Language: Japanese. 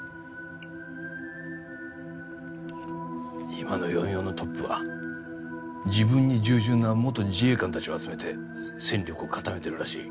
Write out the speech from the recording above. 今の４４のトップは自分に従順な元自衛官たちを集めて戦力を固めているらしい。